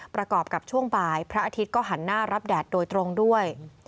ประกอบกับช่วงบ่ายพระอาทิตย์ก็หันหน้ารับแดดโดยตรงด้วย